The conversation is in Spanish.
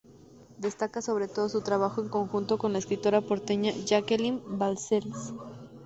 Destaca sobre todo su trabajo en conjunto con la escritora porteña Jacqueline Balcells.